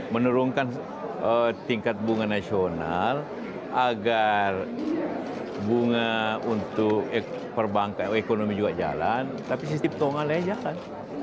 menurunkan tingkat bunga nasional agar bunga untuk ekonomi juga jalan tapi sistem keuangannya jalan